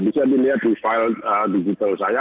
bisa dilihat di file digital saya